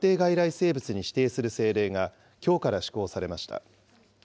生物に指定する政令がきょうから施行されました。